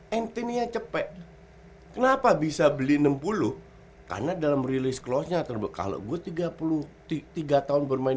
hai anthony cepet kenapa bisa beli enam puluh karena dalam rilis close nya terbuka lo tiga puluh tiga tahun bermain